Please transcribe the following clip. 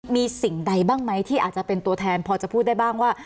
มีสิ่งใดบ้างไหมที่อาจจะเป็นตัวแทนพอจะพูดได้บ้างว่า